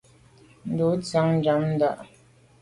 Ndo ndia nnjam ndà.